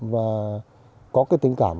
và có tình cảm